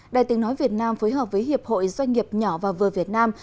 đài tiếng nói việt nam phối hợp với hiệp hội doanh nghiệp nhỏ và vừa việt nam